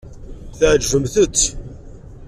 Tɛejbemt-t!